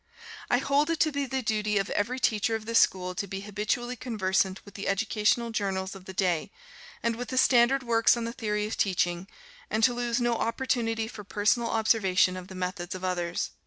I hold it to be the duty of every teacher of this school to be habitually conversant with the educational journals of the day, and with the standard works on the theory of teaching, and to lose no opportunity for personal observation of the methods of others.